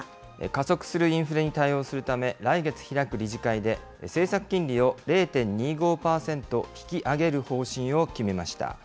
加速するインフレに対応するため、来月開く理事会で、政策金利を０．２５％引き上げる方針を決めました。